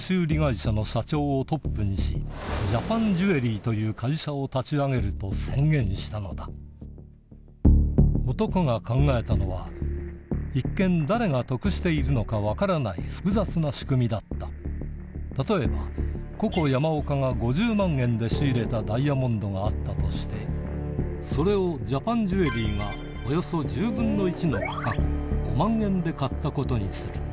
あのという会社を立ち上げると宣言したのだ男が考えたのは一見誰が得しているのか分からない複雑な仕組みだった例えばココ山岡が５０万円で仕入れたダイヤモンドがあったとしてそれをジャパンジュエリーがおよそ１０分の１の価格５万円で買ったことにする